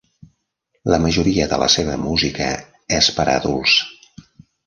La majoria de la seva música és per a adults.